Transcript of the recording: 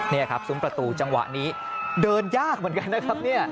นี่ครับซุ้มประตูจังหวะนี้เดินยากเหมือนกันนะครับเนี่ย